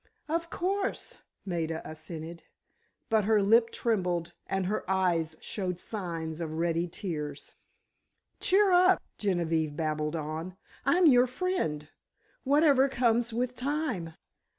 "Of course," Maida assented, but her lip trembled and her eyes showed signs of ready tears. "Cheer up," Genevieve babbled on. "I'm your friend—whatever comes with time!"